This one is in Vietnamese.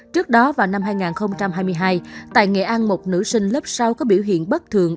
trước đó vào năm hai nghìn hai mươi hai tại nghệ an một nữ sinh lớp sáu có biểu hiện bất thường